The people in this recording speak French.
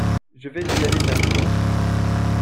Je vais y aller maintenant.